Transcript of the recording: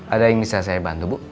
ada yang bisa saya bantu bu